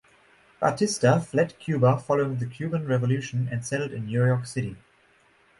Batista fled Cuba following the Cuban Revolution and settled in New York City.